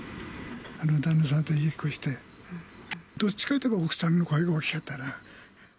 旦那さんと言い合いっこして、どっちかっていうと、奥さんの声が大きかったな。